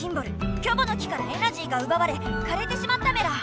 「キョボの木」からエナジーがうばわれかれてしまったメラ。